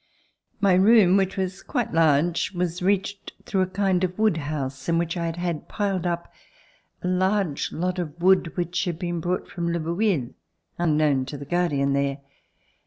My room which was quite large was reached through a kind of wood house in which I had had piled up a large lot of wood which had been brought from Le Bouilh, unknown to the guardian there.